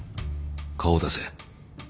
顔を出せ。